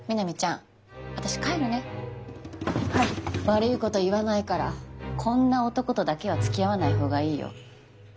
悪いこと言わないからこんな男とだけはつきあわない方がいいよ。